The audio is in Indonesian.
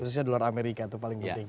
khususnya di luar amerika itu paling penting